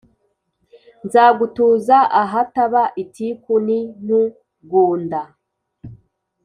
Nzagutuza ahataba itiku n’intugunda